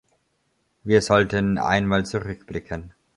Wir sollten einmal zurückblicken.